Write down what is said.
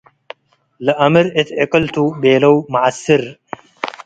“ለአምር እት ዕቅል ቱ” ቤለው መዐስር።